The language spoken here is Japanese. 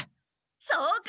そうか。